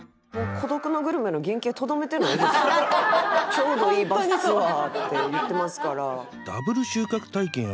「ちょうどいいバスツアー」って言ってますから。